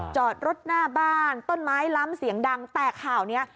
จอดรถหน้าบ้านต้นไม้ล้ำเสียงดังแต่ข่าวนี้